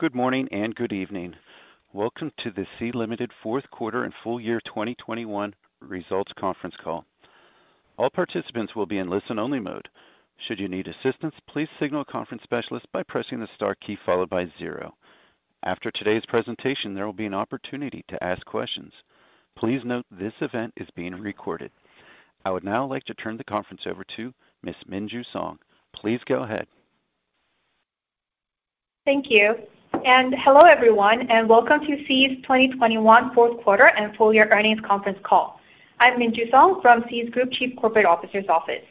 Good morning and good evening. Welcome to the Sea Limited fourth quarter and full year 2021 results conference call. All participants will be in listen-only mode. Should you need assistance, please signal a conference specialist by pressing the star key followed by zero. After today's presentation, there will be an opportunity to ask questions. Please note this event is being recorded. I would now like to turn the conference over to Ms. Minju Song. Please go ahead. Thank you, and hello, everyone, and welcome to Sea's 2021 fourth quarter and full year earnings conference call. I'm Minju Song from Sea's Group Chief Corporate Officer's Office.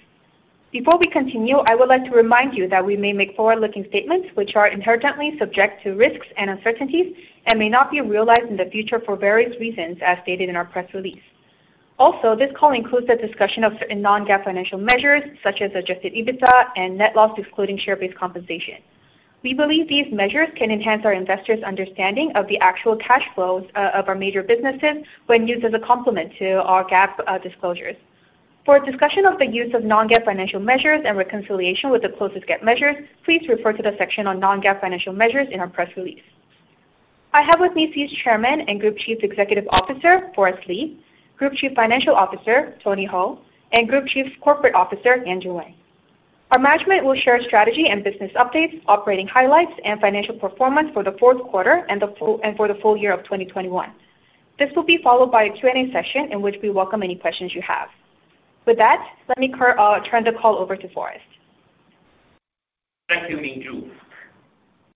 Before we continue, I would like to remind you that we may make forward-looking statements which are inherently subject to risks and uncertainties and may not be realized in the future for various reasons, as stated in our press release. Also, this call includes a discussion of certain non-GAAP financial measures, such as adjusted EBITDA and net loss excluding share-based compensation. We believe these measures can enhance our investors' understanding of the actual cash flows of our major businesses when used as a complement to our GAAP disclosures. For a discussion of the use of non-GAAP financial measures and reconciliation with the closest GAAP measure, please refer to the section on non-GAAP financial measures in our press release. I have with me Sea's Chairman and Group Chief Executive Officer, Forrest Li, Group Chief Financial Officer, Tony Hou, and Group Chief Corporate Officer, Yanjun Wang. Our management will share strategy and business updates, operating highlights, and financial performance for the fourth quarter and the full year of 2021. This will be followed by a Q&A session in which we welcome any questions you have. With that, let me turn the call over to Forrest. Thank you, Minju.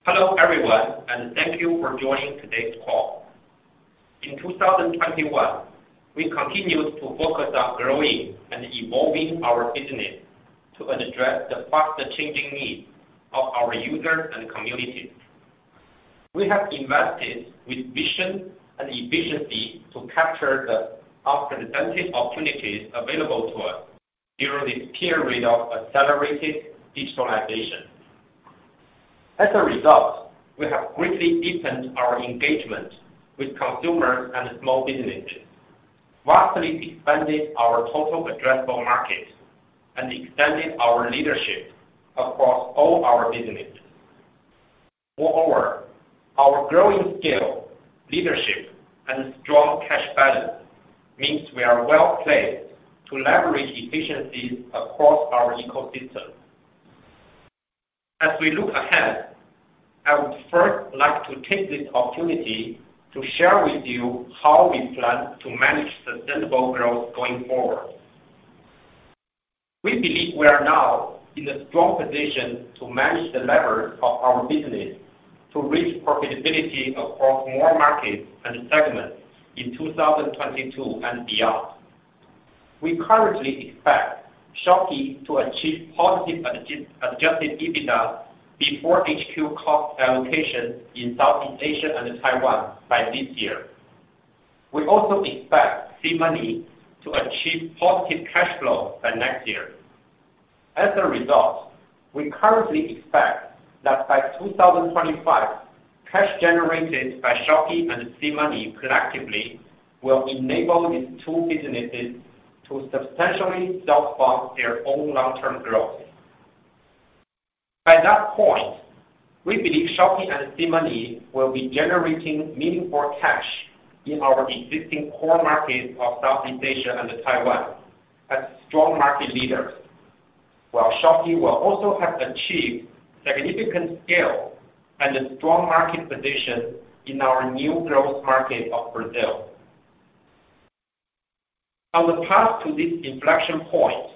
Hello, everyone, and thank you for joining today's call. In 2021, we continued to focus on growing and evolving our business to address the faster changing needs of our users and communities. We have invested with vision and efficiency to capture the unprecedented opportunities available to us during this period of accelerated digitalization. As a result, we have greatly deepened our engagement with consumers and small businesses, vastly expanded our total addressable markets, and extended our leadership across all our businesses. Moreover, our growing scale, leadership, and strong cash balance means we are well-placed to leverage efficiencies across our ecosystem. As we look ahead, I would first like to take this opportunity to share with you how we plan to manage sustainable growth going forward. We believe we are now in a strong position to manage the levers of our business to reach profitability across more markets and segments in 2022 and beyond. We currently expect Shopee to achieve positive adjusted EBITDA before HQ cost allocation in Southeast Asia and Taiwan by this year. We also expect SeaMoney to achieve positive cash flow by next year. As a result, we currently expect that by 2025, cash generated by Shopee and SeaMoney collectively will enable these two businesses to substantially self-fund their own long-term growth. By that point, we believe Shopee and SeaMoney will be generating meaningful cash in our existing core markets of Southeast Asia and Taiwan as strong market leaders, while Shopee will also have achieved significant scale and a strong market position in our new growth market of Brazil. On the path to this inflection point,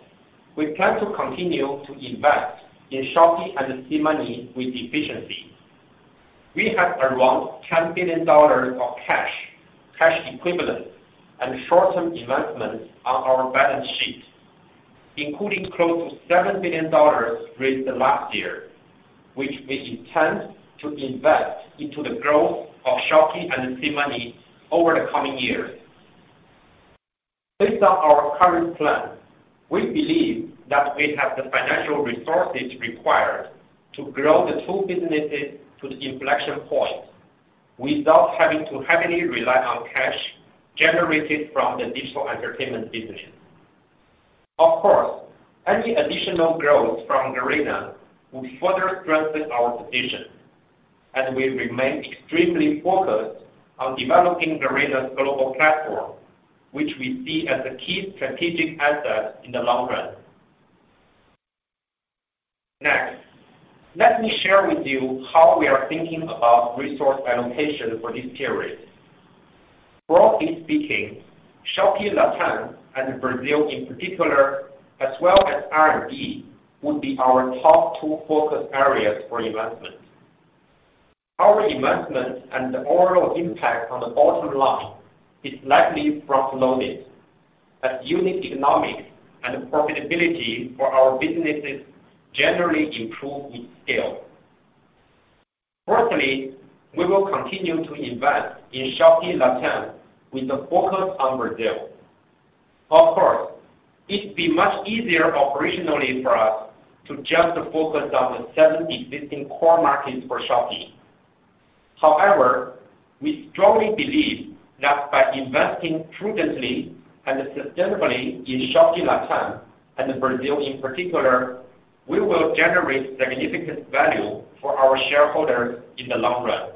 we plan to continue to invest in Shopee and SeaMoney with efficiency. We have around $10 billion of cash equivalents, and short-term investments on our balance sheet, including close to $7 billion raised last year, which we intend to invest into the growth of Shopee and SeaMoney over the coming years. Based on our current plan, we believe that we have the financial resources required to grow the two businesses to the inflection point without having to heavily rely on cash generated from the Digital Entertainment business. Of course, any additional growth from Garena would further strengthen our position, and we remain extremely focused on developing Garena's global platform, which we see as a key strategic asset in the long run. Next, let me share with you how we are thinking about resource allocation for this period. Broadly speaking, Shopee LatAm and Brazil in particular, as well as R&D, would be our top two focus areas for investment. Our investment and the overall impact on the bottom line is likely front-loaded as unit economics and profitability for our businesses generally improve with scale. Firstly, we will continue to invest in Shopee LatAm with a focus on Brazil. Of course, it'd be much easier operationally for us to just focus on the seven existing core markets for Shopee. However, we strongly believe that by investing prudently and sustainably in Shopee LatAm and Brazil in particular, we will generate significant value for our shareholders in the long run.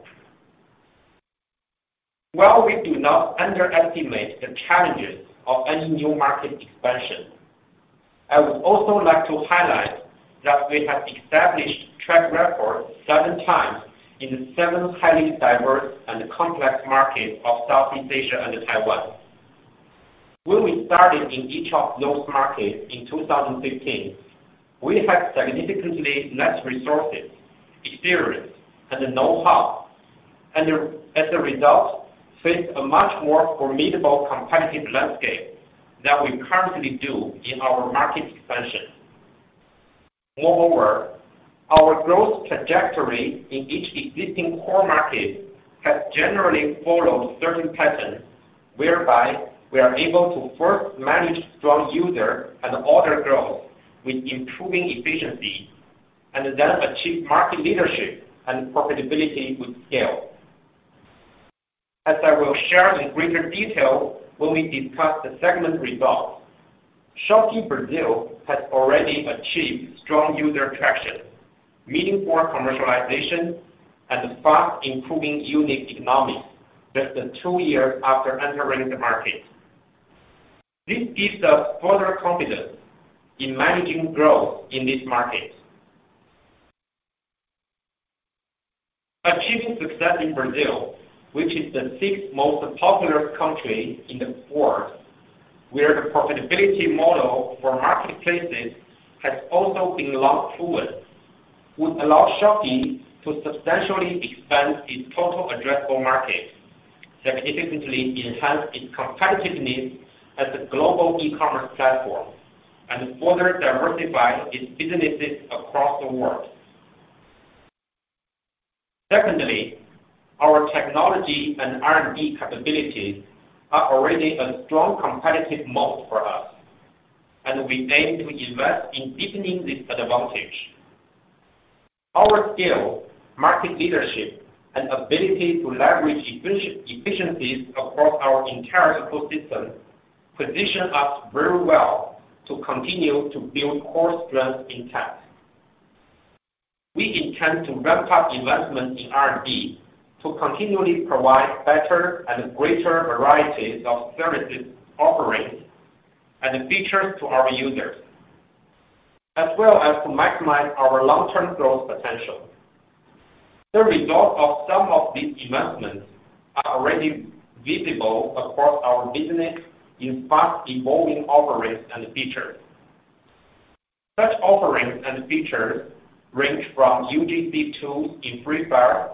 While we do not underestimate the challenges of any new market expansion, I would also like to highlight that we have established track record seven times in the seven highly diverse and complex markets of Southeast Asia and Taiwan. When we started in each of those markets in 2015, we had significantly less resources, experience and the know-how, and as a result, faced a much more formidable competitive landscape than we currently do in our market expansion. Moreover, our growth trajectory in each existing core market has generally followed certain patterns, whereby we are able to first manage strong user and order growth with improving efficiency and then achieve market leadership and profitability with scale. As I will share in greater detail when we discuss the segment results, Shopee Brazil has already achieved strong user traction, meaningful commercialization, and fast improving unit economics just two years after entering the market. This gives us further confidence in managing growth in this market. Achieving success in Brazil, which is the sixth most populous country in the world, where the profitability model for marketplaces has also been well proven, would allow Shopee to substantially expand its total addressable market, significantly enhance its competitiveness as a global e-commerce platform, and further diversify its businesses across the world. Secondly, our technology and R&D capabilities are already a strong competitive moat for us, and we aim to invest in deepening this advantage. Our scale, market leadership, and ability to leverage efficiencies across our entire ecosystem position us very well to continue to build core strength in tech. We intend to ramp up investment in R&D to continually provide better and greater varieties of services offerings and features to our users, as well as to maximize our long-term growth potential. The results of some of these investments are already visible across our business in fast-evolving offerings and features. Such offerings and features range from UGC tools in Free Fire,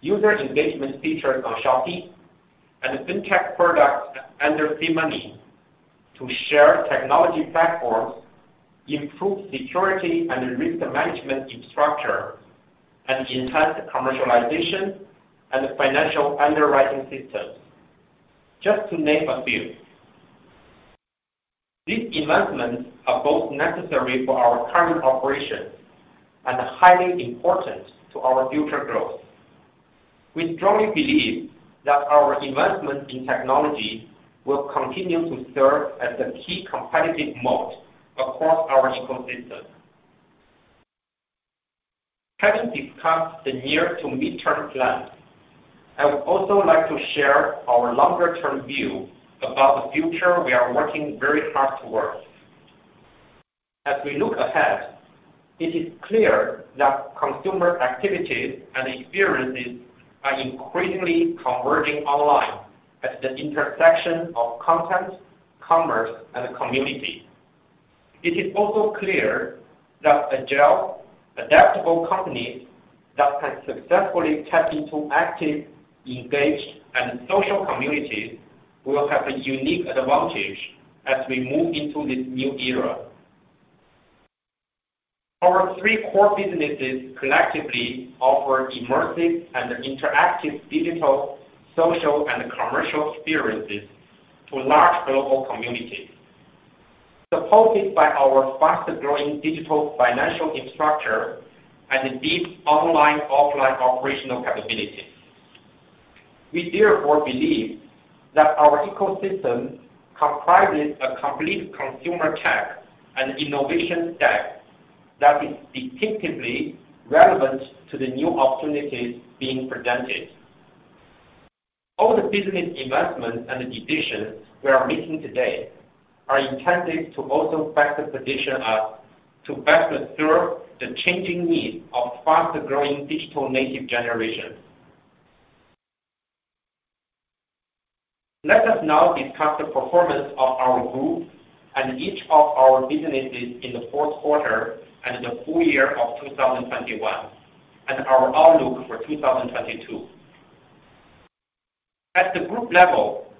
user engagement features on Shopee, and Fintech products under SeaMoney to share technology platforms, improve security and risk management infrastructure, and enhance commercialization and financial underwriting systems, just to name a few. These investments are both necessary for our current operations and highly important to our future growth. We strongly believe that our investment in technology will continue to serve as a key competitive moat across our ecosystem. Having discussed the near to mid-term plan, I would also like to share our longer-term view about the future we are working very hard towards. As we look ahead, it is clear that consumer activities and experiences are increasingly converging online at the intersection of content, commerce, and community. It is also clear that agile, adaptable companies that can successfully tap into active, engaged, and social communities will have a unique advantage as we move into this new era. Our three core businesses collectively offer immersive and interactive digital, social, and commercial experiences to large global communities, supported by our faster-growing digital financial infrastructure and deep online-offline operational capabilities. We therefore believe that our ecosystem comprises a complete consumer tech and innovation stack that is distinctively relevant to the new opportunities being presented. All the business investments and decisions we are making today are intended to also better position us to better serve the changing needs of faster-growing digital native generations. Let us now discuss the performance of our group and each of our businesses in the fourth quarter and the full year of 2021, and our outlook for 2022. At the group level,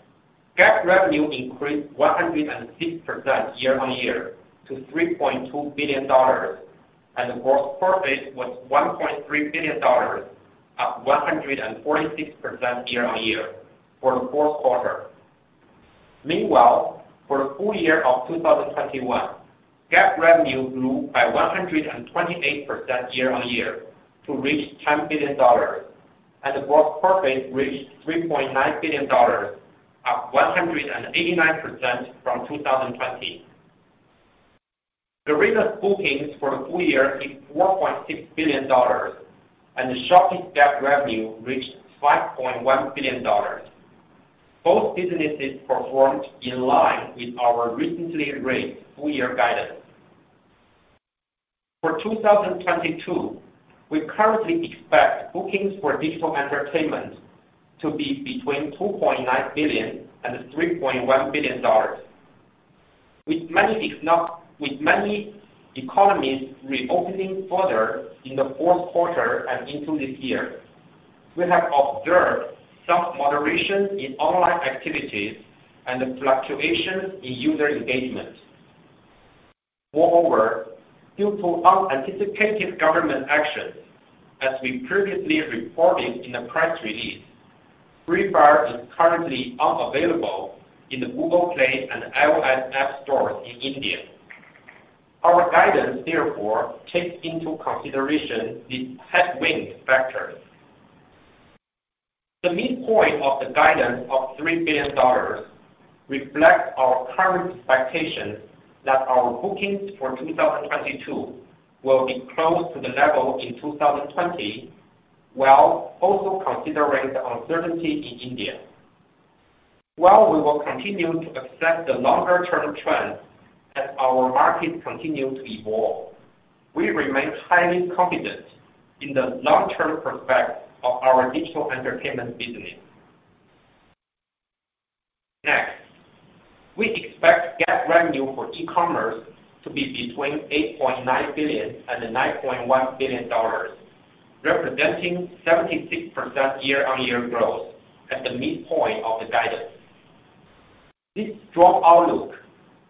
GAAP revenue increased 106% year-on-year to $3.2 billion, and gross profit was $1.3 billion, up 146% year-on-year for the fourth quarter. Meanwhile, for the full year of 2021, GAAP revenue grew by 128% year-on-year to reach $10 billion, and the gross profit reached $3.9 billion, up 189% from 2020. The reserve bookings for the full year is $4.6 billion, and the Shopee GAAP revenue reached $5.1 billion. Both businesses performed in line with our recently raised full-year guidance. For 2022, we currently expect bookings for digital entertainment to be between $2.9 billion and $3.1 billion. With many economies reopening further in the fourth quarter and into this year, we have observed some moderation in online activities and fluctuation in user engagement. Moreover, due to unanticipated government actions, as we previously reported in the press release, Free Fire is currently unavailable in the Google Play and iOS App Store in India. Our guidance, therefore, takes into consideration these headwind factors. The midpoint of the guidance of $3 billion reflects our current expectation that our bookings for 2022 will be close to the level in 2020, while also considering the uncertainty in India. While we will continue to assess the longer term trends as our market continue to evolve, we remain highly confident in the long-term prospects of our digital entertainment business. Next, we expect GAAP revenue for e-commerce to be between $8.9 billion and $9.1 billion, representing 76% year-on-year growth at the midpoint of the guidance. This strong outlook,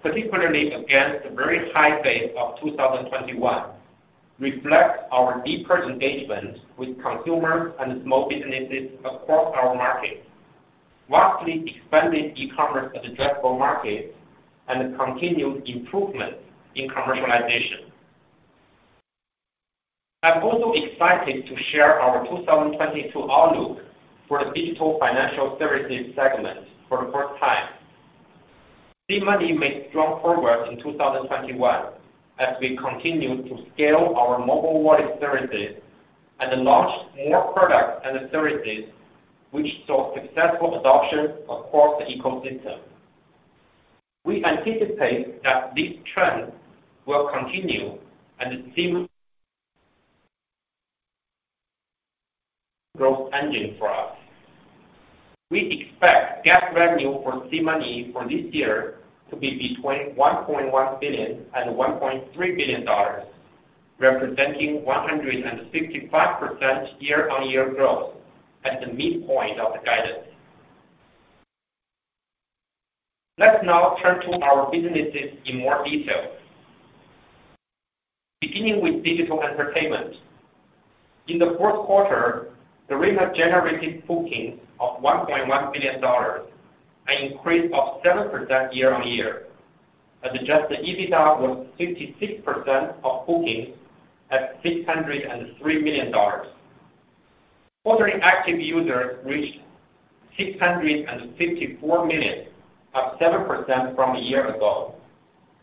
particularly against the very high base of 2021, reflects our deeper engagement with consumers and small businesses across our markets, vastly expanding e-commerce addressable markets and continued improvement in commercialization. I'm also excited to share our 2022 outlook for the digital financial services segment for the first time. SeaMoney made strong progress in 2021 as we continued to scale our mobile wallet services and launched more products and services which saw successful adoption across the ecosystem. We anticipate that this trend will continue and [inaudible] growth engine for us. We expect GAAP revenue for SeaMoney for this year to be between $1.1 billion and $1.3 billion, representing 165% year-on-year growth at the midpoint of the guidance. Let's now turn to our businesses in more detail. Beginning with digital entertainment. In the fourth quarter, the revenue generated bookings of $1.1 billion, an increase of 7% year-on-year. Adjusted EBITDA was 56% of bookings at $603 million. Quarterly active users reached 654 million, up 7% from a year ago,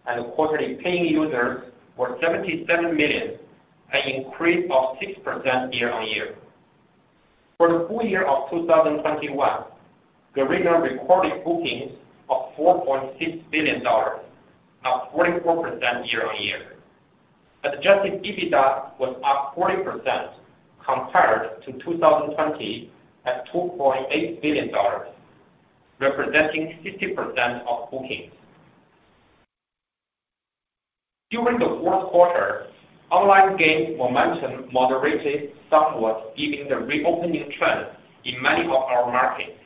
and quarterly paying users were 77 million, an increase of 6% year-on-year. For the full year of 2021, Garena recorded bookings of $4.6 billion, up 44% year-on-year. Adjusted EBITDA was up 40% compared to 2020 at $2.8 billion, representing 50% of bookings. During the fourth quarter, online game momentum moderated somewhat given the reopening trend in many of our markets.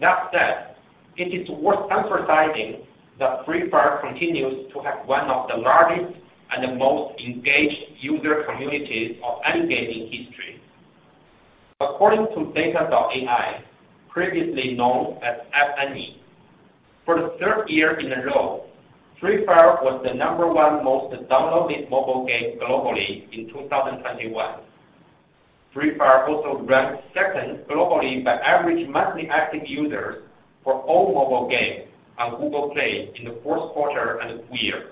That said, it is worth emphasizing that Free Fire continues to have one of the largest and the most engaged user communities of any game in history. According to data.ai, previously known as App Annie, for the third year in a row, Free Fire was the number one most downloaded mobile game globally in 2021. Free Fire also ranked second globally by average monthly active users for all mobile games on Google Play in the fourth quarter and the full year.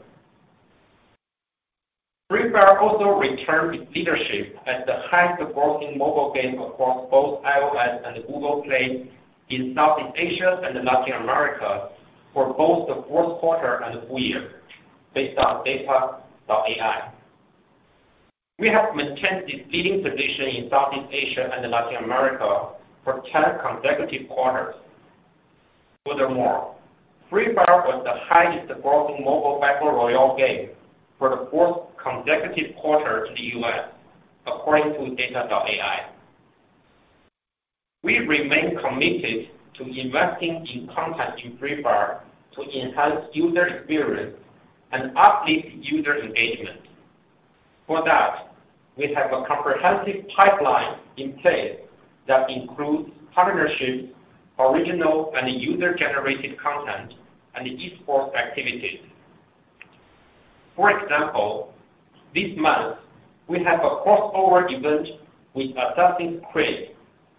Free Fire also returned its leadership as the highest-grossing mobile game across both iOS and Google Play in Southeast Asia and Latin America for both the fourth quarter and the full year based on data.ai. We have maintained this leading position in Southeast Asia and Latin America for 10 consecutive quarters. Furthermore, Free Fire was the highest-grossing mobile battle royale game for the fourth consecutive quarter in the U.S., according to data.ai. We remain committed to investing in content in Free Fire to enhance user experience and uplift user engagement. For that, we have a comprehensive pipeline in place that includes partnerships, original and user-generated content, and e-sports activities. For example, this month, we have a crossover event with Assassin's Creed,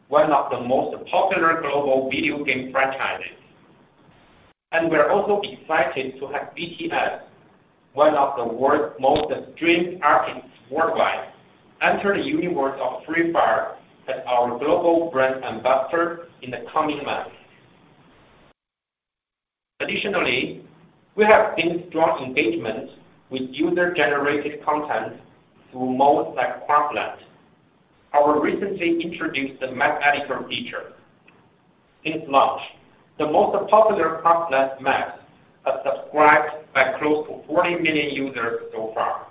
one of the most popular global video game franchises. We're also excited to have BTS, one of the world's most streamed artists worldwide, enter the universe of Free Fire as our global brand ambassador in the coming months. Additionally, we have seen strong engagement with user-generated content through modes like Craftland, our recently introduced map editor feature. Since launch, the most popular Craftland maps are subscribed by close to 40 million users so far.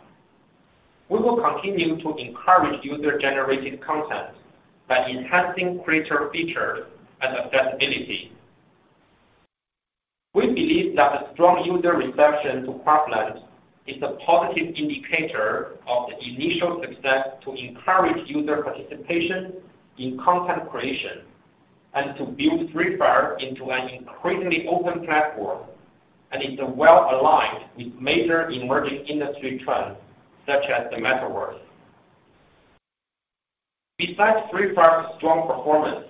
We will continue to encourage user-generated content by enhancing creator features and accessibility. We believe that the strong user reception to Craftland is a positive indicator of the initial success to encourage user participation in content creation and to build Free Fire into an increasingly open platform, and is well aligned with major emerging industry trends, such as the Metaverse. Besides Free Fire's strong performance,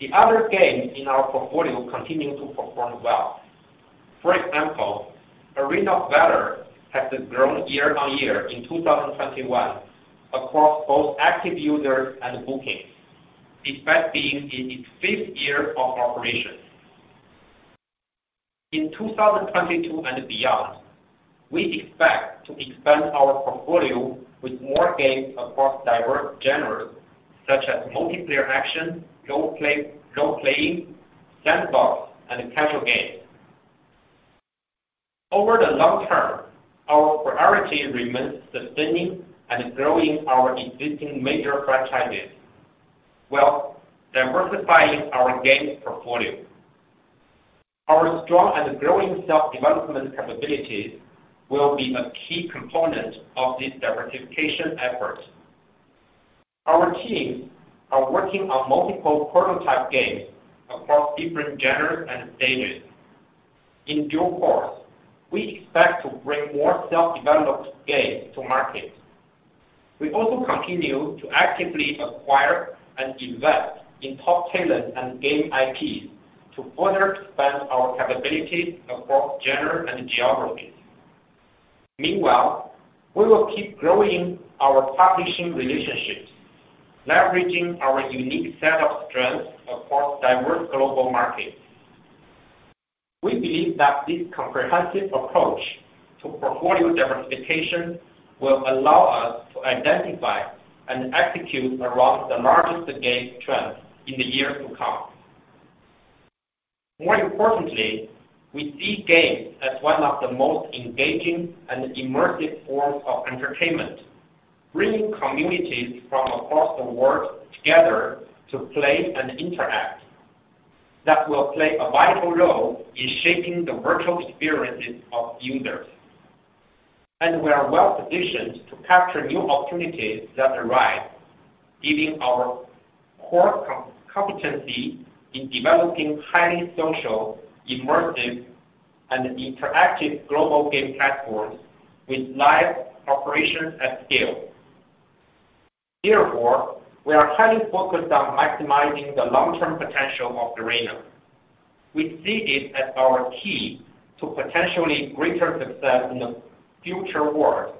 the other games in our portfolio continue to perform well. For example, Arena of Valor has grown year-on-year in 2021 across both active users and bookings, despite being in its fifth year of operation. In 2022 and beyond, we expect to expand our portfolio with more games across diverse genres, such as multiplayer action, role-playing, sandbox, and casual games. Over the long term, our priority remains sustaining and growing our existing major franchises while diversifying our games portfolio. Our strong and growing self-development capabilities will be a key component of this diversification effort. Our teams are working on multiple prototype games across different genres and stages. In due course, we expect to bring more self-developed games to market. We also continue to actively acquire and invest in top talent and game IPs to further expand our capabilities across genres and geographies. Meanwhile, we will keep growing our publishing relationships, leveraging our unique set of strengths across diverse global markets. We believe that this comprehensive approach to portfolio diversification will allow us to identify and execute around the largest game trends in the years to come. More importantly, we see games as one of the most engaging and immersive forms of entertainment, bringing communities from across the world together to play and interact that will play a vital role in shaping the virtual experiences of users. We are well-positioned to capture new opportunities that arise, given our core competency in developing highly social, immersive, and interactive global game platforms with live operations at scale. Therefore, we are highly focused on maximizing the long-term potential of the arena. We see this as our key to potentially greater success in a future world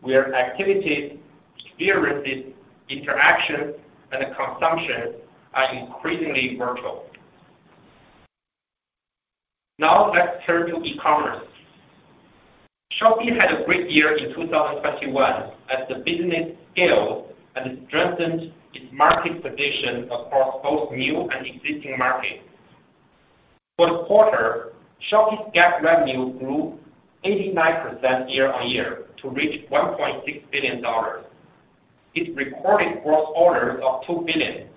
where activities, experiences, interaction, and consumption are increasingly virtual. Now let's turn to e-commerce. Shopee had a great year in 2021 as the business scaled and strengthened its market position across both new and existing markets. For the quarter, Shopee's GAAP revenue grew 89% year-on-year to reach $1.6 billion. It recorded gross orders of 2 billion,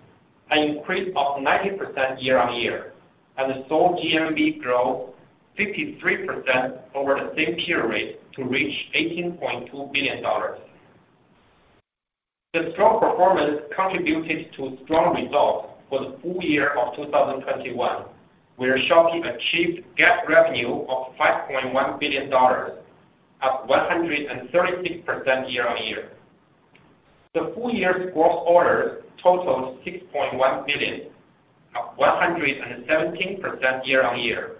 an increase of 90% year-on-year, and saw GMV grow 53% over the same period to reach $18.2 billion. The strong performance contributed to strong results for the full year of 2021, where Shopee achieved GAAP revenue of $5.1 billion, up 136% year-on-year. The full year's gross orders totaled 6.1 billion, up 117% year-on-year,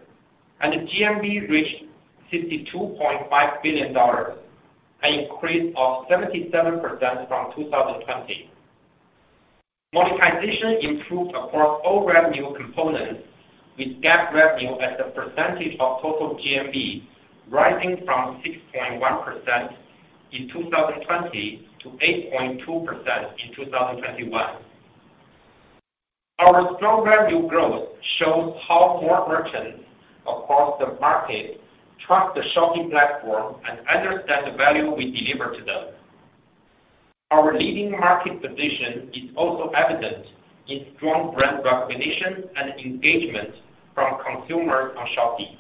and GMV reached $52.5 billion, an increase of 77% from 2020. Monetization improved across all revenue components, with GAAP revenue as a percentage of total GMV rising from 6.1% in 2020 to 8.2% in 2021. Our strong revenue growth shows how more merchants across the market trust the Shopee platform and understand the value we deliver to them. Our leading market position is also evident in strong brand recognition and engagement from consumers on Shopee.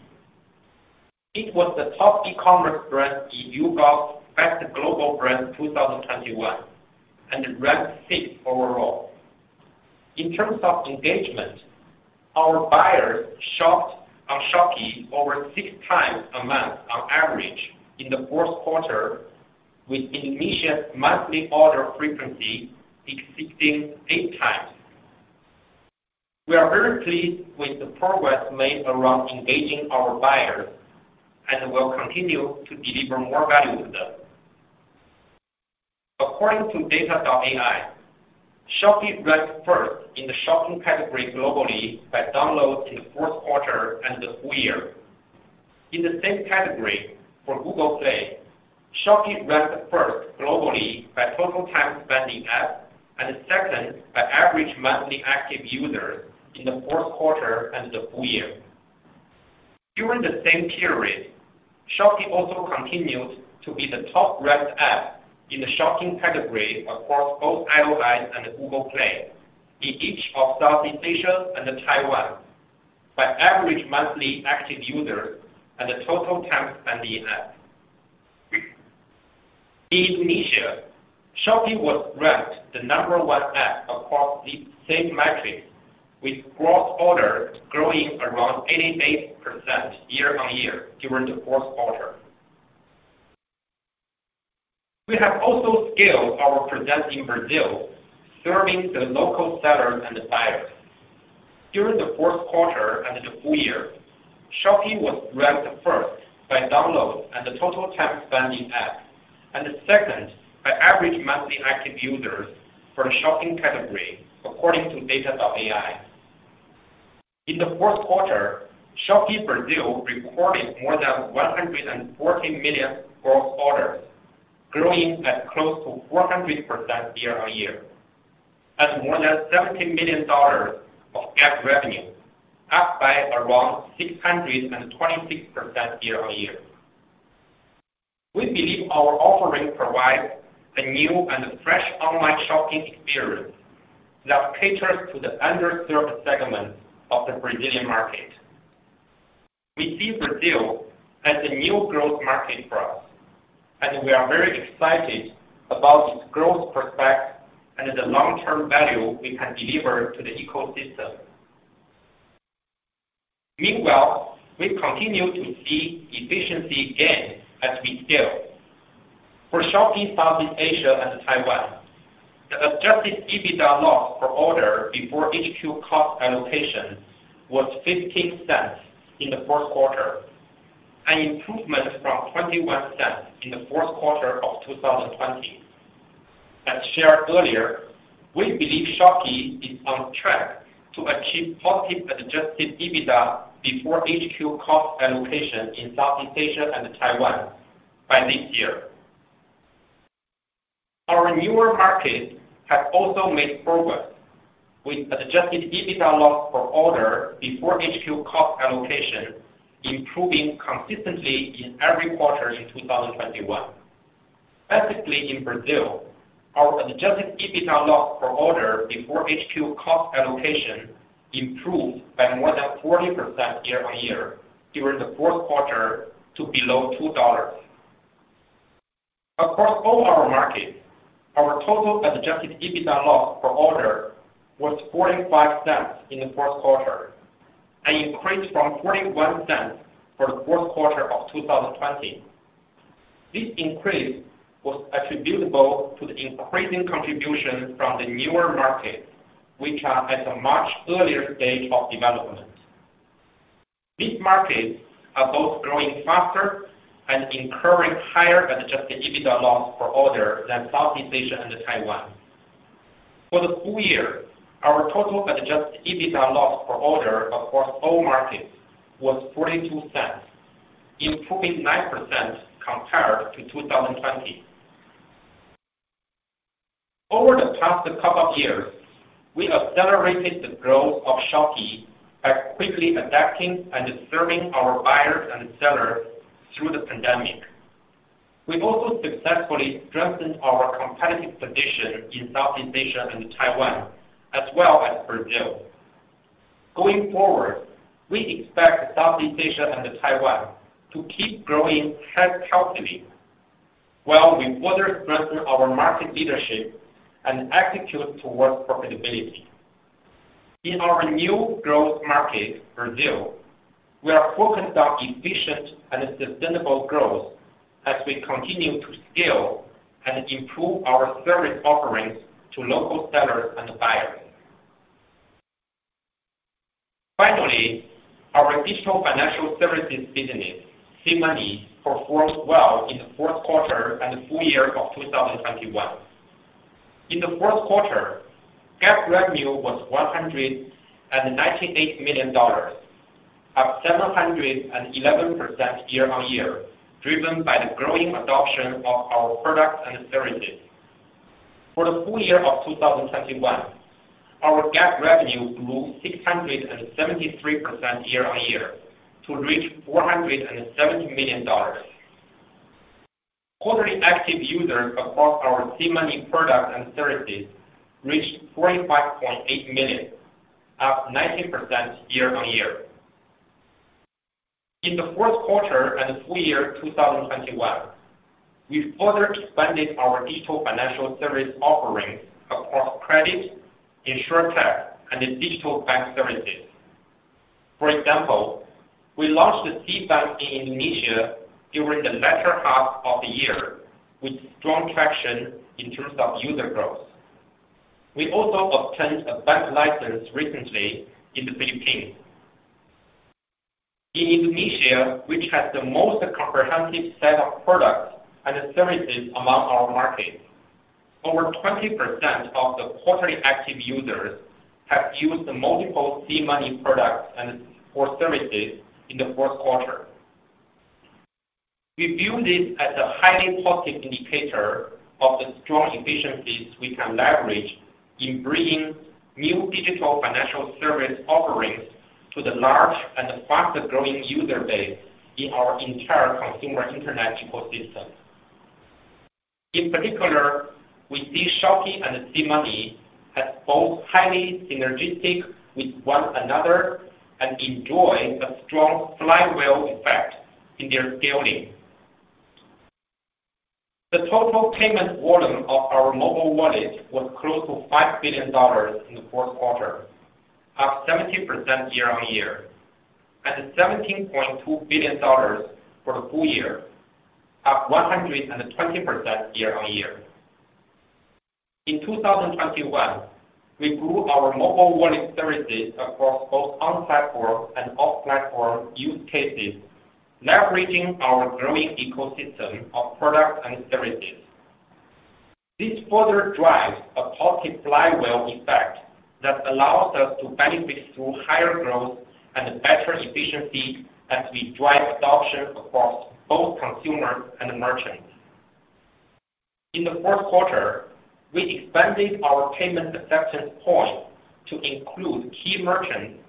It was the top e-commerce brand in YouGov's Best Global Brands 2021, and ranked sixth overall. In terms of engagement, our buyers shopped on Shopee over six times a month on average in the fourth quarter, with Indonesia's monthly order frequency exceeding eight times. We are very pleased with the progress made around engaging our buyers and will continue to deliver more value to them. According to data.ai, Shopee ranked first in the shopping category globally by downloads in the fourth quarter and the full year. In the same category for Google Play, Shopee ranked first globally by total time spent in app and second by average monthly active users in the fourth quarter and the full year. During the same period, Shopee also continued to be the top-ranked app in the shopping category across both iOS and Google Play in each of Southeast Asia and Taiwan by average monthly active users and the total time spent in app. In Indonesia, Shopee was ranked the number one app across these same metrics, with gross orders growing around 88% year-on-year during the fourth quarter. We have also scaled our presence in Brazil, serving the local sellers and buyers. During the fourth quarter and the full year, Shopee was ranked first by downloads and the total time spent in app, and second by average monthly active users for the shopping category, according to data.ai. In the fourth quarter, Shopee Brazil recorded more than 114 million gross orders, growing at close to 400% year-on-year, and more than $70 million of GMV, up by around 626% year-on-year. We believe our offering provides a new and fresh online shopping experience that caters to the underserved segments of the Brazilian market. We see Brazil as a new growth market for us, and we are very excited about its growth prospects and the long-term value we can deliver to the ecosystem. Meanwhile, we continue to see efficiency gains as we scale. For Shopee Southeast Asia and Taiwan, the Adjusted EBITDA loss per order before HQ cost allocation was $0.15 in the fourth quarter, an improvement from $0.21 in the fourth quarter of 2020. As shared earlier, we believe Shopee is on track to achieve positive adjusted EBITDA before HQ cost allocation in Southeast Asia and Taiwan by this year. Our newer markets have also made progress, with Adjusted EBITDA loss per order before HQ cost allocation improving consistently in every quarter in 2021. Specifically in Brazil, our adjusted EBITDA loss per order before HQ cost allocation improved by more than 40% year-over-year during the fourth quarter to below $2. Across all our markets, our total Adjusted EBITDA loss per order was $0.45 in the fourth quarter, an increase from $0.41 for the fourth quarter of 2020. This increase was attributable to the increasing contribution from the newer markets, which are at a much earlier stage of development. These markets are both growing faster and incurring higher Adjusted EBITDA loss per order than Southeast Asia and Taiwan. For the full year, our total Adjusted EBITDA loss per order across all markets was $0.42, improving 9% compared to 2020. Over the past couple of years, we accelerated the growth of Shopee by quickly adapting and serving our buyers and sellers through the pandemic. We've also successfully strengthened our competitive position in Southeast Asia and Taiwan, as well as Brazil. Going forward, we expect Southeast Asia and Taiwan to keep growing healthy, while we further strengthen our market leadership and execute towards profitability. In our new growth market, Brazil, we are focused on efficient and sustainable growth as we continue to scale and improve our service offerings to local sellers and buyers. Finally, our digital financial services business, SeaMoney, performed well in the fourth quarter and full year of 2021. In the fourth quarter, GAAP revenue was $198 million, up 711% year-on-year, driven by the growing adoption of our products and services. For the full year of 2021, our GAAP revenue grew 673% year-on-year to reach $470 million. Quarterly active users across our SeaMoney product and services reached 45.8 million, up 19% year-on-year. In the fourth quarter and full year 2021, we further expanded our digital financial service offerings across credit, Insurtech, and digital bank services. For example, we launched SeaBank in Indonesia during the latter half of the year with strong traction in terms of user growth. We also obtained a bank license recently in the Philippines. In Indonesia, which has the most comprehensive set of products and services among our markets, over 20% of the quarterly active users have used multiple SeaMoney products and or services in the fourth quarter. We view this as a highly positive indicator of the strong efficiencies we can leverage in bringing new digital financial service offerings to the large and fast-growing user base in our entire consumer internet ecosystem. In particular, we see Shopee and SeaMoney as both highly synergistic with one another and enjoying a strong flywheel effect in their scaling. The total payment volume of our mobile wallet was close to $5 billion in the fourth quarter, up 70% year-on-year, and $17.2 billion for the full year, up 120% year-on-year. In 2021, we grew our mobile wallet services across both on-platform and off-platform use cases, leveraging our growing ecosystem of products and services. This further drives a positive flywheel effect that allows us to benefit through higher growth and better efficiency as we drive adoption across both consumers and merchants. In the fourth quarter, we expanded our payment acceptance points to include key merchants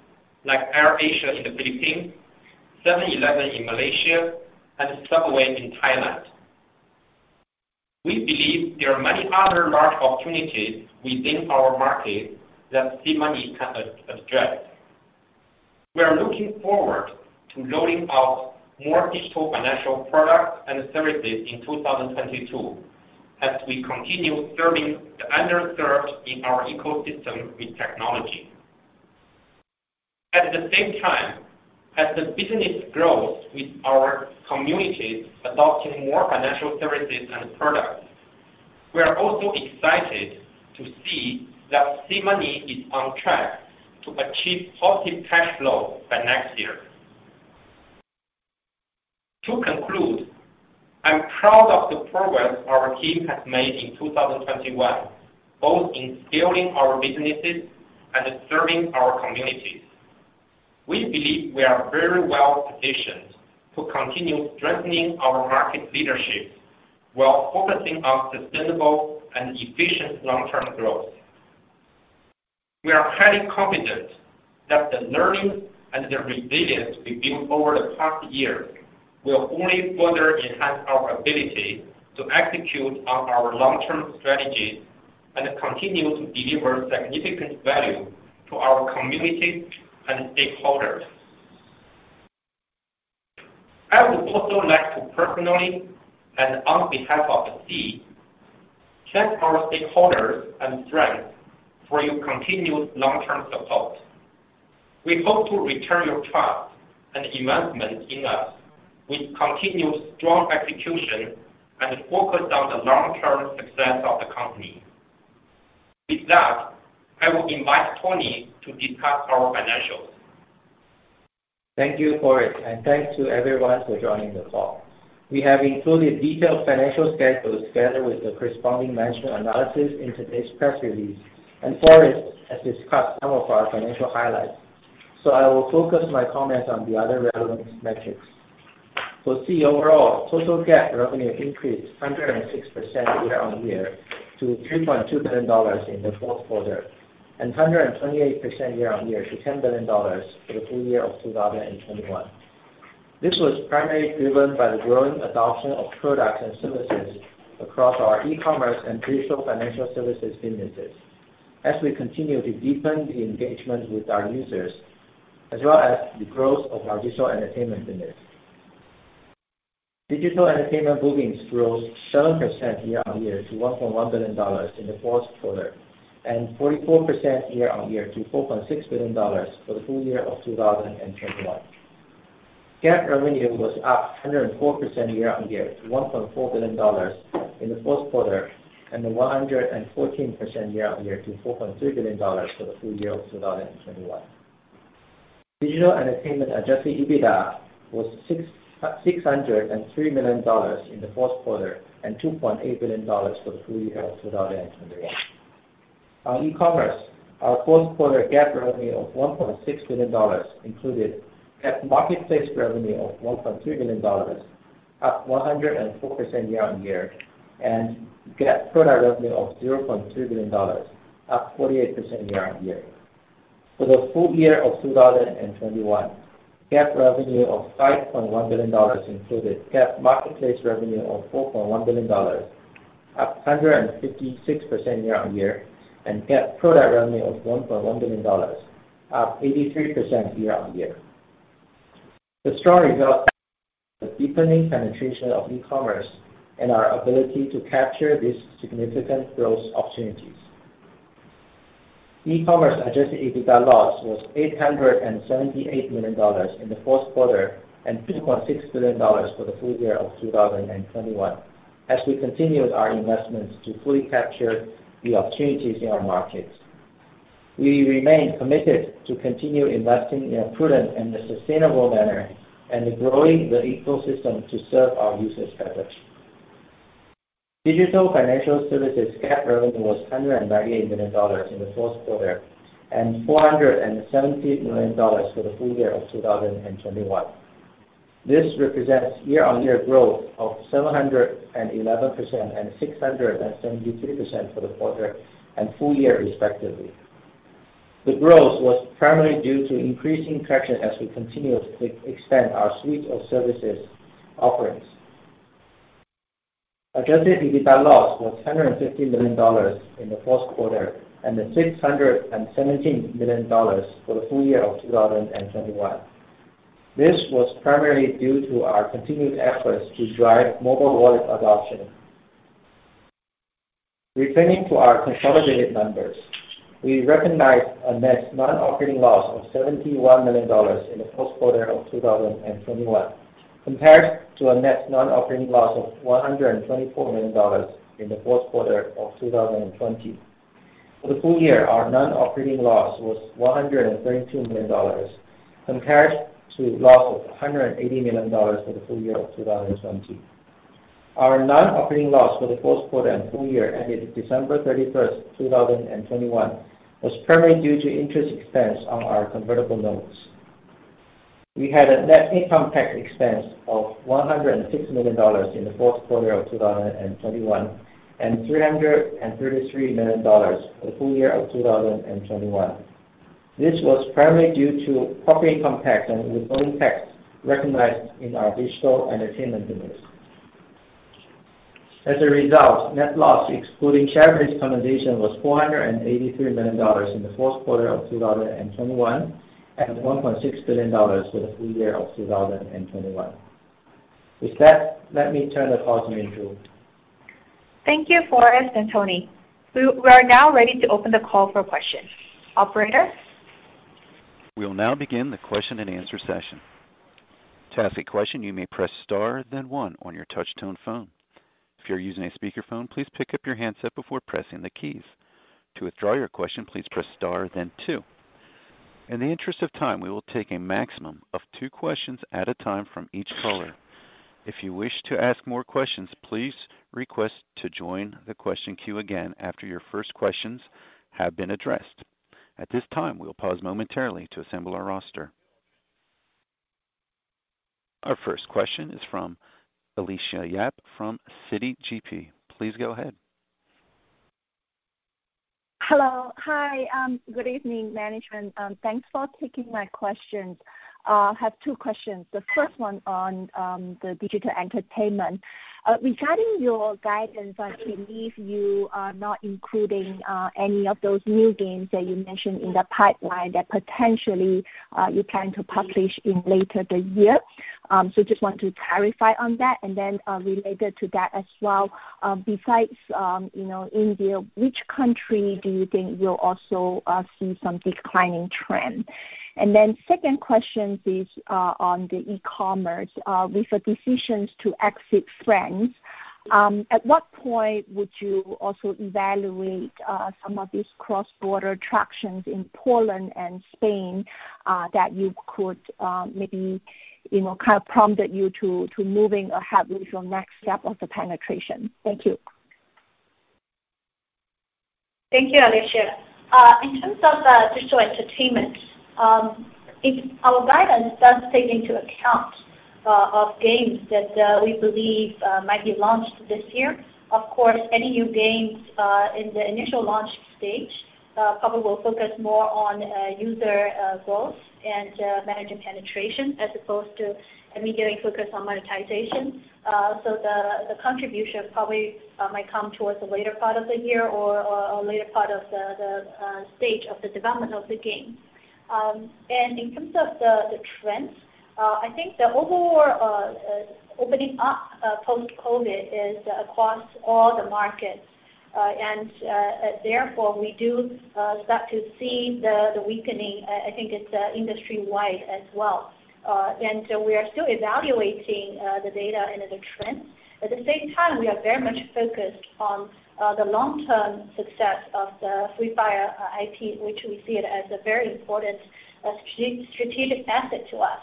like AirAsia in the Philippines, 7-Eleven in Malaysia, and Subway in Thailand. We believe there are many other large opportunities within our market that SeaMoney can address. We are looking forward to rolling out more digital financial products and services in 2022 as we continue serving the underserved in our ecosystem with technology. At the same time, as the business grows with our communities adopting more financial services and products, we are also excited to see that SeaMoney is on track to achieve positive cash flow by next year. To conclude, I'm proud of the progress our team has made in 2021, both in scaling our businesses and serving our communities. We believe we are very well positioned to continue strengthening our market leadership while focusing on sustainable and efficient long-term growth. We are highly confident that the learning and the resilience we built over the past year will only further enhance our ability to execute on our long-term strategies and continue to deliver significant value to our communities and stakeholders. I would also like to personally, and on behalf of Sea, thank our stakeholders and friends for your continued long-term support. We hope to return your trust and investment in us with continued strong execution and focus on the long-term success of the company. With that, I will invite Tony to discuss our financials. Thank you, Forrest, and thanks to everyone for joining the call. We have included detailed financial schedules together with the corresponding management analysis in today's press release, and Forrest has discussed some of our financial highlights, so I will focus my comments on the other relevant metrics. For Sea overall, total GAAP revenue increased 106% year-on-year to $3.2 billion in the fourth quarter, and 128% year-on-year to $10 billion for the full year of 2021. This was primarily driven by the growing adoption of products and services across our e-commerce and digital financial services businesses as we continue to deepen the engagement with our users, as well as the growth of our digital entertainment business. Digital entertainment bookings grows 7% year-over-year to $1.1 billion in the fourth quarter, and 44% year-over-year to $4.6 billion for the full year of 2021. GAAP revenue was up 104% year-over-year to $1.4 billion in the fourth quarter, and 114% year-over-year to $4.3 billion for the full year of 2021. Digital entertainment adjusted EBITDA was $603 million in the fourth quarter and $2.8 billion for the full year of 2021. Our e-commerce, our fourth quarter GAAP revenue of $1.6 billion included marketplace revenue of $1.3 billion, up 104% year-on-year, and GAAP product revenue of $0.2 billion, up 48% year-on-year. For the full year of 2021, GAAP revenue of $5.1 billion included GAAP marketplace revenue of $4.1 billion, up 156% year-on-year, and GAAP product revenue of $1.1 billion, up 83% year-on-year. The strong results from the deepening penetration of e-commerce and our ability to capture these significant growth opportunities. E-commerce Adjusted EBITDA loss was $878 million in the fourth quarter, and $2.6 billion for the full year of 2021 as we continued our investments to fully capture the opportunities in our markets. We remain committed to continue investing in a prudent and a sustainable manner and growing the ecosystem to serve our users better. Digital financial services GAAP revenue was $198 million in the fourth quarter, and $470 million for the full year of 2021. This represents year-on-year growth of 711% and 673% for the quarter and full year respectively. The growth was primarily due to increasing traction as we continue to expand our suite of services offerings. Adjusted EBITDA loss was $1,050 million in the fourth quarter, and $617 million for the full year of 2021. This was primarily due to our continued efforts to drive mobile wallet adoption. Returning to our consolidated numbers, we recognized a net non-operating loss of $71 million in the fourth quarter of 2021 compared to a net non-operating loss of $124 million in the fourth quarter of 2020. For the full year, our non-operating loss was $132 million compared to loss of $180 million for the full year of 2020. Our non-operating loss for the fourth quarter and full year ended December 31st, 2021 was primarily due to interest expense on our convertible notes. We had a net income tax expense of $106 million in the fourth quarter of 2021, and $333 million for the full year of 2021. This was primarily due to provision for income tax and deferred tax recognized in our digital entertainment business. As a result, net loss excluding share-based compensation was $483 million in the fourth quarter of 2021, and $1.6 billion for the full year of 2021. With that, let me turn the call to Minju Song. Thank you, Forrest and Tony. We are now ready to open the call for questions. Operator? We'll now begin the question and answer session. To ask a question, you may press star then one on your touch tone phone. If you're using a speakerphone, please pick up your handset before pressing the keys. To withdraw your question, please press star then two. In the interest of time, we will take a maximum of two questions at a time from each caller. If you wish to ask more questions, please request to join the question queue again after your first questions have been addressed. At this time, we'll pause momentarily to assemble our roster. Our first question is from Alicia Yap from Citi GP. Please go ahead. Hello. Hi, good evening, management. Thanks for taking my questions. I have two questions. The first one on the digital entertainment. Regarding your guidance, I believe you are not including any of those new games that you mentioned in the pipeline that potentially you plan to publish later this year. So just want to clarify on that. Related to that as well, besides you know, India, which country do you think will also see some declining trend? Second question is on the e-commerce. With the decisions to exit France, at what point would you also evaluate some of these cross-border transactions in Poland and Spain that could maybe, you know, kind of prompt you to move ahead with your next step of the penetration? Thank you. Thank you, Alicia. In terms of digital entertainment, our guidance does take into account of games that we believe might be launched this year. Of course, any new games in the initial launch stage probably will focus more on user growth and managing penetration as opposed to immediately focus on monetization. The contribution probably might come towards the later part of the year or later part of the stage of the development of the game. In terms of the trends, I think the overall opening up post-COVID is across all the markets. Therefore, we do start to see the weakening. I think it's industry-wide as well. We are still evaluating the data and the trends. At the same time, we are very much focused on the long-term success of the Free Fire IP, which we see it as a very important strategic asset to us.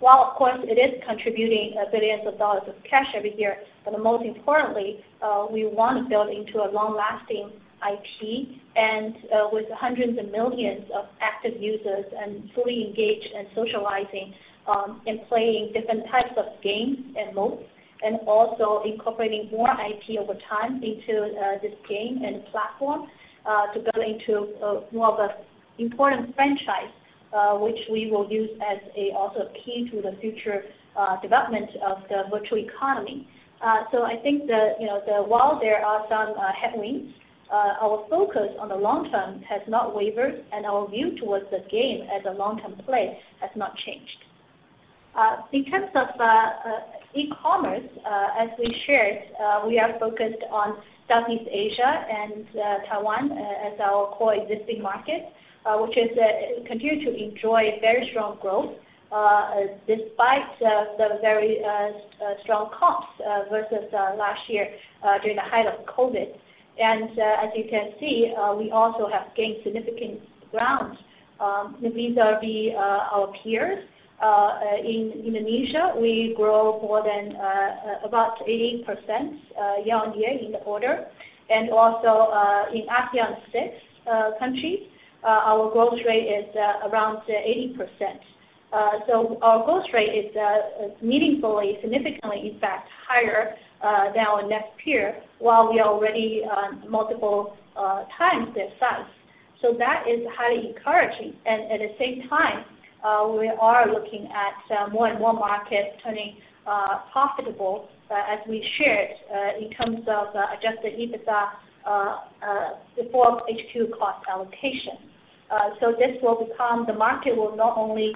While of course it is contributing billions of dollars of cash every year, but most importantly, we want to build into a long-lasting IP and with hundreds of millions of active users and fully engaged and socializing and playing different types of games and modes, and also incorporating more IP over time into this game and platform to build into more of an important franchise, which we will use as a also key to the future development of the virtual economy. I think you know while there are some headwinds, our focus on the long term has not wavered, and our view towards this game as a long-term play has not changed. In terms of e-commerce, as we shared, we are focused on Southeast Asia and Taiwan as our core existing markets, which continue to enjoy very strong growth, despite the very strong comps versus last year during the height of COVID. As you can see, we also have gained significant ground. These are our peers. In Indonesia, we grow more than about 80% year on year in the order. Also, in ASEAN six countries, our growth rate is around 80%. Our growth rate is meaningfully, significantly in fact, higher than our next peer, while we are already multiple times their size. That is highly encouraging. At the same time, we are looking at more and more markets turning profitable as we shared in terms of Adjusted EBITDA before HQ cost allocation. The market will not only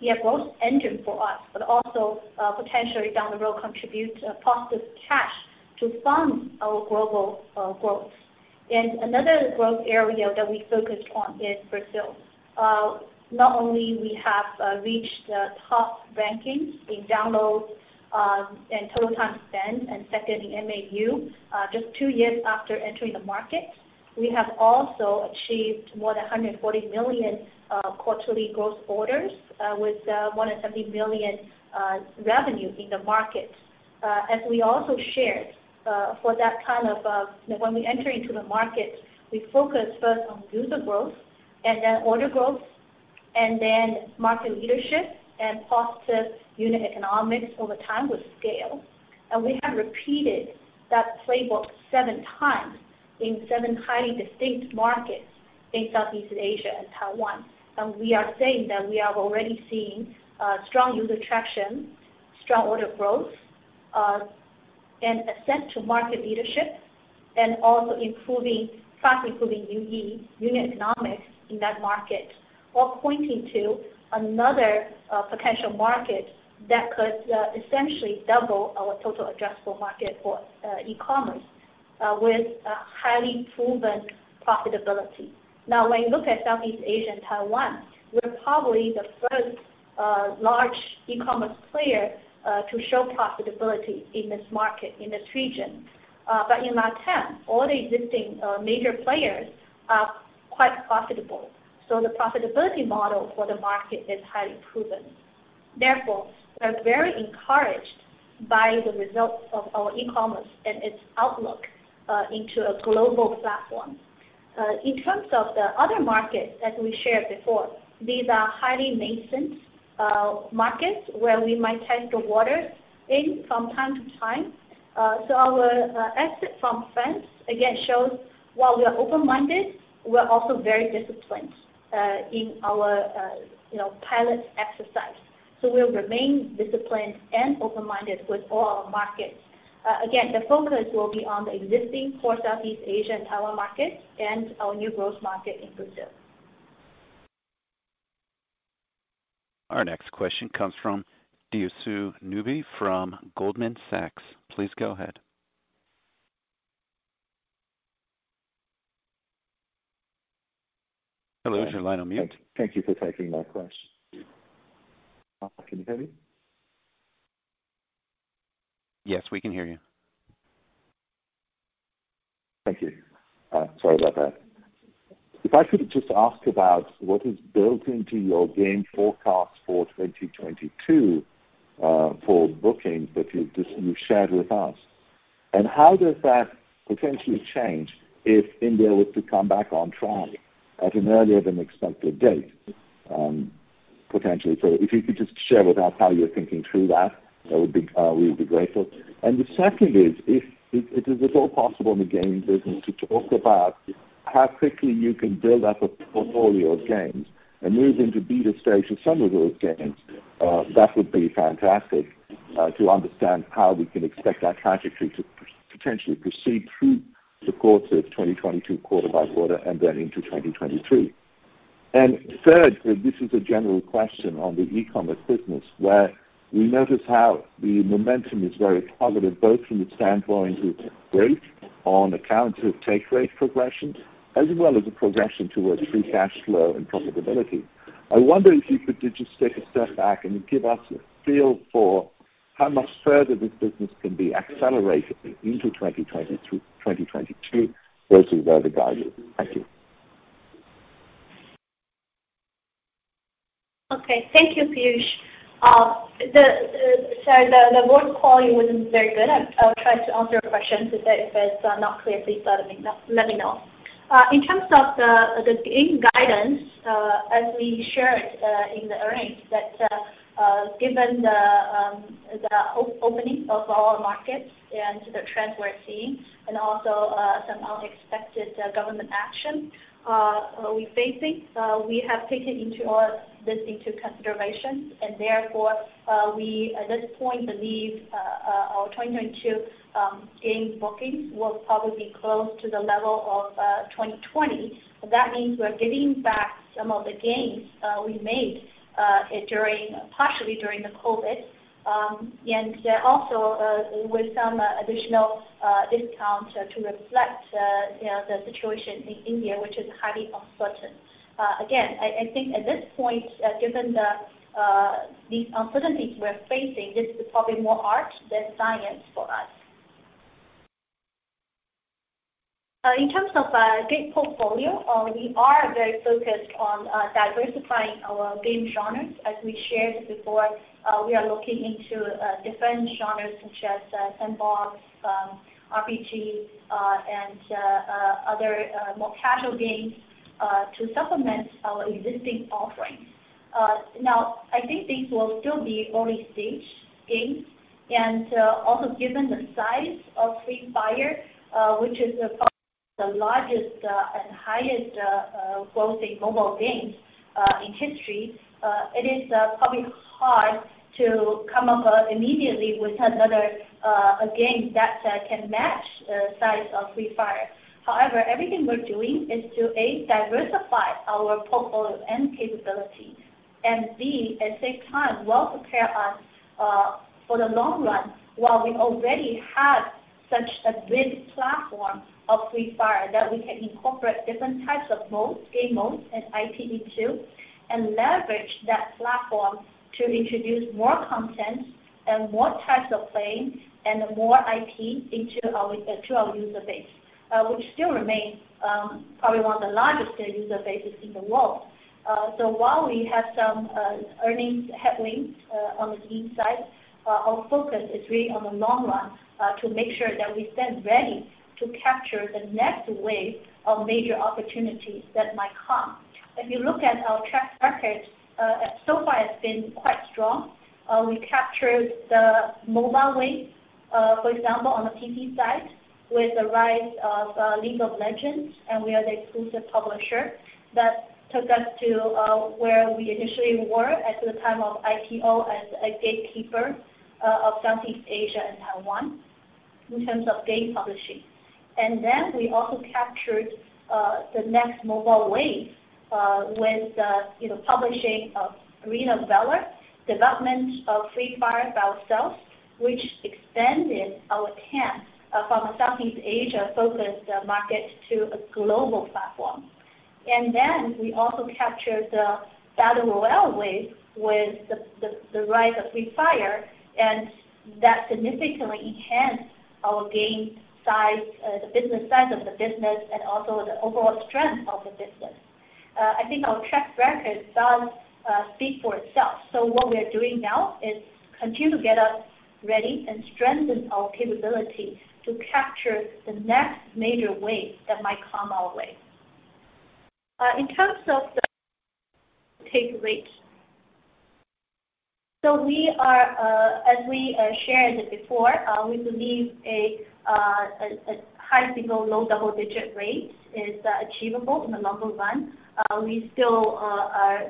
be a growth engine for us, but also potentially down the road contribute positive cash to fund our global growth. Another growth area that we focused on is Brazil. Not only we have reached the top rankings in downloads and total time spent, and second in MAU just two years after entering the market. We have also achieved more than 140 million quarterly gross orders with more than $70 million revenue in the market. As we also shared, for that kind of when we enter into the market, we focus first on user growth and then order growth, and then market leadership and positive unit economics over time with scale. We have repeated that playbook seven times in seven highly distinct markets in Southeast Asia and Taiwan. We are saying that we have already seen strong user traction, strong order growth, and ascent to market leadership and also fast improving UE, unit economics in that market, all pointing to another potential market that could essentially double our total addressable market for e-commerce with a highly proven profitability. Now, when you look at Southeast Asia and Taiwan, we're probably the first, large e-commerce player, to show profitability in this market, in this region. But in LatAm, all the existing, major players are quite profitable. So the profitability model for the market is highly proven. Therefore, we're very encouraged by the results of our e-commerce and its outlook, into a global platform. In terms of the other markets that we shared before, these are highly nascent, markets where we might test the waters from time to time. So our exit from France, again, shows while we are open-minded, we're also very disciplined, in our, you know, pilot exercise. So we'll remain disciplined and open-minded with all our markets. Again, the focus will be on the existing core Southeast Asian tower market and our new growth market in Brazil. Our next question comes from Piyush Mubayi from Goldman Sachs. Please go ahead. Hello, is your line on mute? Thank you for taking my question. Can you hear me? Yes, we can hear you. Thank you. Sorry about that. If I could just ask about what is built into your game forecast for 2022, for bookings that you've shared with us, and how does that potentially change if India were to come back on trial at an earlier than expected date, potentially? If you could just share with us how you're thinking through that would be. We would be grateful. The second is if it's at all possible in the gaming business to talk about how quickly you can build up a portfolio of games and move in to be the stage of some of those games, that would be fantastic, to understand how we can expect that trajectory to potentially proceed through the course of 2022 quarter by quarter and then into 2023. Third, this is a general question on the e-commerce business, where we notice how the momentum is very positive, both from the standpoint of revenue on account of take rate progression, as well as the progression towards free cash flow and profitability. I wonder if you could just take a step back and give us a feel for how much further this business can be accelerated into 2022 versus where the guide is. Thank you. Okay. Thank you, Piyush. Sorry, the voice quality wasn't very good. I'll try to answer your question. If it's not clear, please let me know. In terms of the game guidance, as we shared in the earnings, given the opening of our markets and the trends we're seeing and also some unexpected government action we're facing, we have taken this into consideration. Therefore, we at this point believe our 2022 game bookings will probably be close to the level of 2020. That means we are giving back some of the gains we made partially during the COVID. With some additional discounts to reflect you know the situation in India, which is highly uncertain. Again, I think at this point, given the uncertainty we're facing, this is probably more art than science for us. In terms of game portfolio, we are very focused on diversifying our game genres. As we shared before, we are looking into different genres such as Sandbox, RPG, and other more casual games to supplement our existing offerings. Now, I think these will still be early-stage games, and also given the size of Free Fire, which is probably the largest and highest grossing mobile game in history, it is probably hard to come up immediately with another game that can match the size of Free Fire. However, everything we're doing is to, A, diversify our portfolio and capability, and B, at the same time, will prepare us for the long run while we already have such a big platform of Free Fire that we can incorporate different types of game modes and IP into, and leverage that platform to introduce more content and more types of playing and more IP into our user base, which still remains probably one of the largest user bases in the world. While we have some earnings headwinds on the game side, our focus is really on the long run to make sure that we stand ready to capture the next wave of major opportunities that might come. If you look at our track record so far it's been quite strong. We captured the mobile wave, for example, on the PC side with the rise of League of Legends, and we are the exclusive publisher. That took us to where we initially were at the time of IPO as a gatekeeper of Southeast Asia and Taiwan in terms of game publishing. Then we also captured the next mobile wave with the, you know, publishing of Arena of Valor, development of Free Fire by ourselves, which extended our tentacles from a Southeast Asia-focused market to a global platform. Then we also captured the battle royale wave with the rise of Free Fire, and that significantly enhanced our game size, the business size of the business and also the overall strength of the business. I think our track record does speak for itself. What we are doing now is continue to get us ready and strengthen our capability to capture the next major wave that might come our way. In terms of the take rate. We are, as we shared it before, we believe a high single-digit, low double-digit rate is achievable in the long run. We still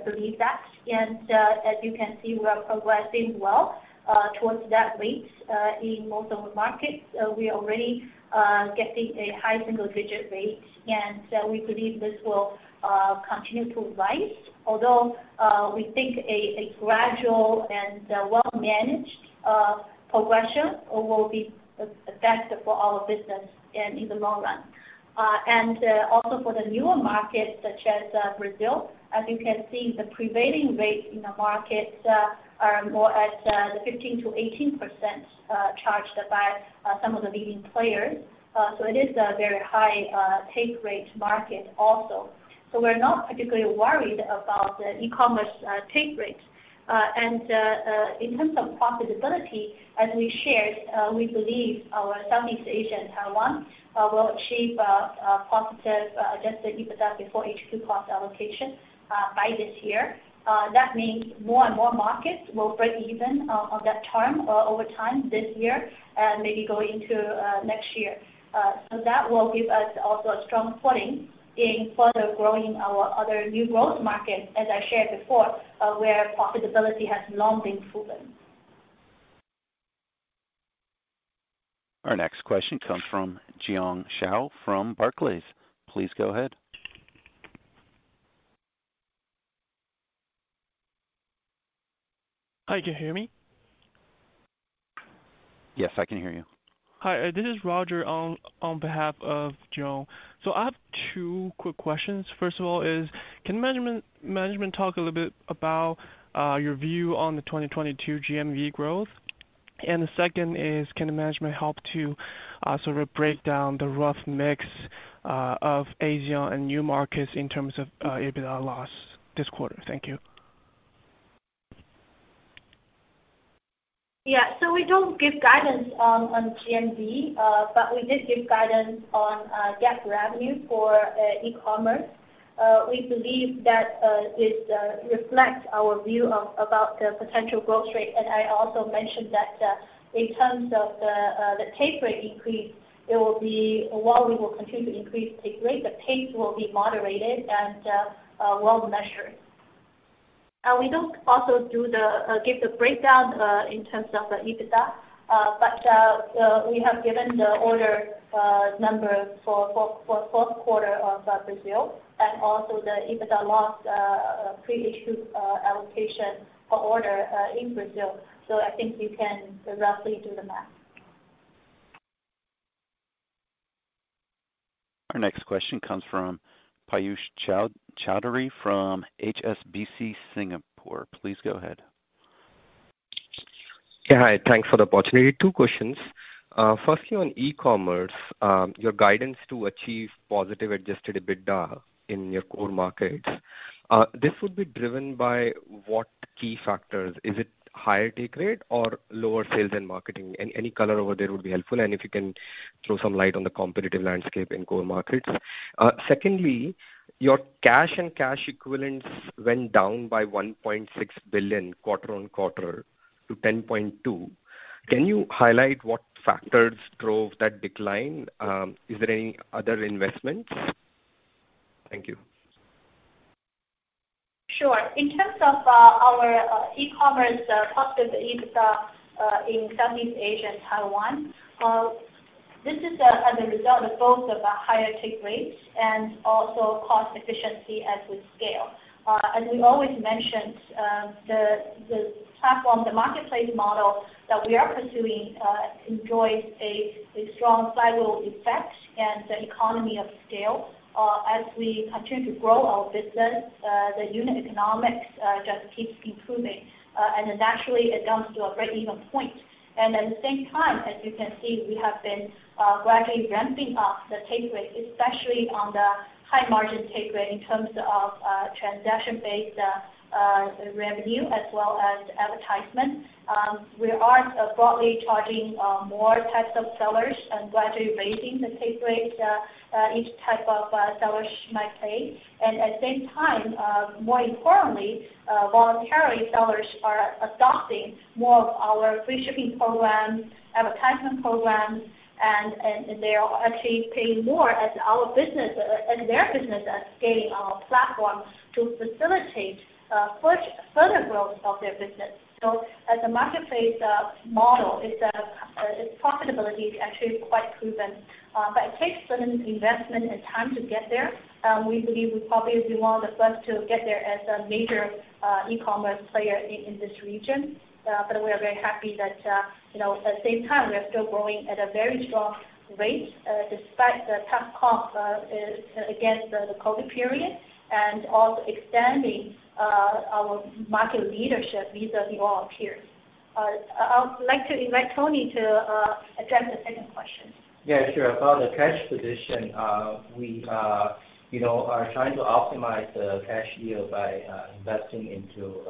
believe that. As you can see, we are progressing well towards that rate in most of the markets. We are already getting a high single-digit rate, and we believe this will continue to rise. Although we think a gradual and well-managed progression will be better for our business in the long run and also for the newer markets such as Brazil. As you can see, the prevailing rate in the markets are more at the 15%-18% charged by some of the leading players. It is a very high take rate market also. We're not particularly worried about the e-commerce take rate. In terms of profitability, as we shared, we believe our Southeast Asia and Taiwan will achieve a positive Adjusted EBITDA before HQ cost allocation by this year. That means more and more markets will break even on that term over time this year, maybe going into next year. That will give us also a strong footing in further growing our other new growth markets, as I shared before, where profitability has long been proven. Our next question comes from Jiong Shao from Barclays. Please go ahead. Hi, can you hear me? Yes, I can hear you. Hi, this is Roger on behalf of Jiong Shao. I have two quick questions. First of all, can management talk a little bit about your view on the 2022 GMV growth? The second is, can the management help to sort of break down the rough mix of Asia and new markets in terms of EBITDA loss this quarter? Thank you. Yeah. We don't give guidance on GMV, but we did give guidance on GAAP revenue for e-commerce. We believe that it reflects our view about the potential growth rate. I also mentioned that in terms of the take rate increase, while we will continue to increase take rate, the pace will be moderated and well-measured. We also don't give the breakdown in terms of the EBITDA. We have given the order number for fourth quarter of Brazil and also the EBITDA loss pre-HQ cost allocation for Shopee in Brazil. I think you can roughly do the math. Our next question comes from Piyush Choudhary from HSBC Singapore. Please go ahead. Yeah. Hi. Thanks for the opportunity. Two questions. First, on e-commerce, your guidance to achieve positive Adjusted EBITDA in your core markets, this would be driven by what key factors? Is it higher take rate or lower sales and marketing? Any color over there would be helpful, and if you can throw some light on the competitive landscape in core markets. Second, your cash and cash equivalents went down by $1.6 billion quarter-over-quarter to $10.2 billion. Can you highlight what factors drove that decline? Is there any other investments? Thank you. Sure. In terms of our e-commerce positive EBITDA in Southeast Asia and Taiwan, this is as a result of both of a higher take rate and also cost efficiency as we scale. As we always mentioned, the platform, the marketplace model that we are pursuing enjoys a strong flywheel effect and the economy of scale. As we continue to grow our business, the unit economics just keeps improving, and then naturally it comes to a break-even point. At the same time, as you can see, we have been gradually ramping up the take rate, especially on the high margin take rate in terms of transaction-based revenue as well as advertisement. We are broadly charging more types of sellers and gradually raising the take rate that each type of sellers might pay. At the same time, more importantly, voluntarily sellers are adopting more of our free shipping programs, advertisement programs, and they are actually paying more as our business, as their business are scaling our platform to facilitate further growth of their business. As a marketplace model, its profitability is actually quite proven. But it takes certain investment and time to get there. We believe we're probably one of the first to get there as a major e-commerce player in this region. We are very happy that, you know, at the same time, we are still growing at a very strong rate, despite the tough comp against the COVID period, and also extending our market leadership vis-à-vis all our peers. I would like to invite Tony to address the second question. Yeah, sure. About the cash position, we are trying to optimize the cash yield by investing into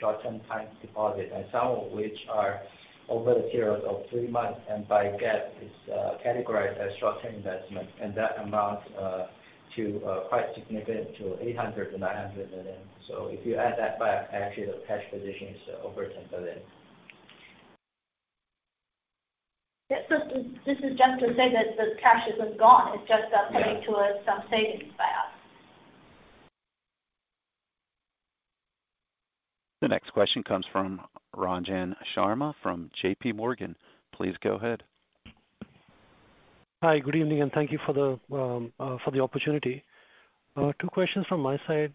short-term time deposit, and some of which are over the period of three months, and by GAAP, it's categorized as short-term investment. That amounts to quite significant $800 million-$900 million. So if you add that back, actually the cash position is over $10 billion. Yeah. This is just to say that the cash isn't gone. It's just paying to us some savings by us. The next question comes from Ranjan Sharma from JPMorgan. Please go ahead. Hi. Good evening, and thank you for the opportunity. Two questions from my side.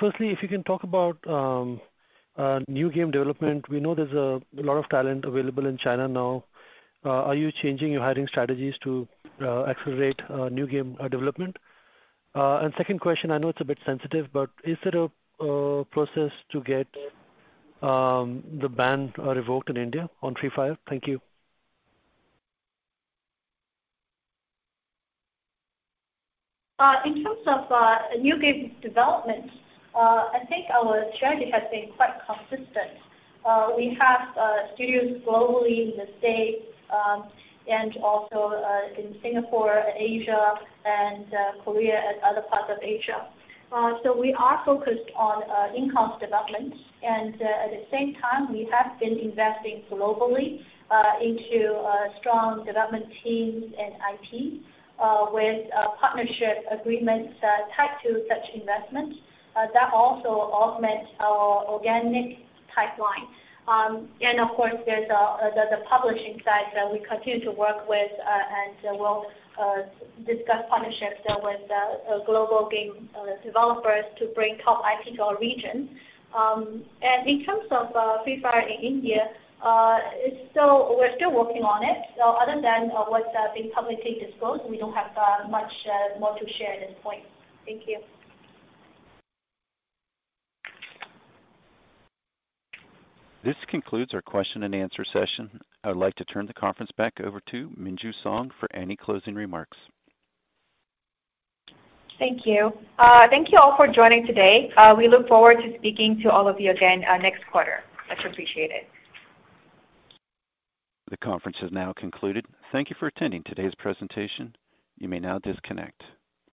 Firstly, if you can talk about new game development. We know there's a lot of talent available in China now. Are you changing your hiring strategies to accelerate new game development? And second question, I know it's a bit sensitive, but is there a process to get the ban revoked in India on Free Fire? Thank you. In terms of new game development, I think our strategy has been quite consistent. We have studios globally in the States, and also in Singapore, Asia, and Korea and other parts of Asia. We are focused on in-house development. At the same time, we have been investing globally into strong development teams and IP with partnership agreements tied to such investments. That also augments our organic pipeline. Of course, there's the publishing side that we continue to work with, and we'll discuss partnerships with global game developers to bring top IP to our region. In terms of Free Fire in India, it's still. We're still working on it. Other than what's been publicly disclosed, we don't have much more to share at this point. Thank you. This concludes our question and answer session. I would like to turn the conference back over to Minju Song for any closing remarks. Thank you. Thank you all for joining today. We look forward to speaking to all of you again, next quarter. Much appreciated. The conference has now concluded. Thank you for attending today's presentation. You may now disconnect.